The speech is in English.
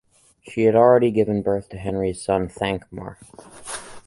She had already given birth to Henry's son Thankmar.